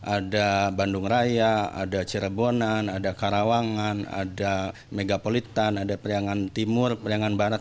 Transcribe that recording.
ada bandung raya ada cirebonan ada karawangan ada megapolitan ada periangan timur periangan barat